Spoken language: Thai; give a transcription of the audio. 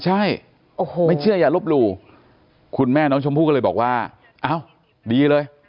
ใช่ไม่เชื่ออย่าลบหลู่คุณแม่น้องชมพู่ก็เลยบอกว่าอ้าวดีเลย